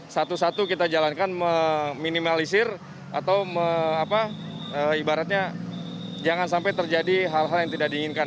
satu satu kita jalankan meminimalisir atau ibaratnya jangan sampai terjadi hal hal yang tidak diinginkan